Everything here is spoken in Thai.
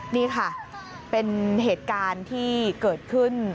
นี่ค่ะเป็นเหตุการณ์ที่เกิดขึ้น